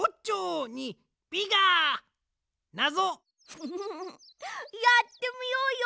フフフフやってみようよ。